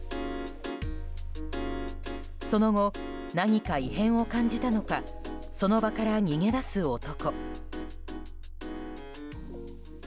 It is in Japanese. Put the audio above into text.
その後、何か異変を感じたのかその場から逃げ出す男。